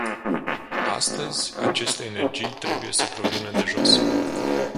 Astăzi, aceste energii trebuie să provină de jos.